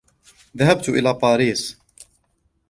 ذهبَت إلى باريس.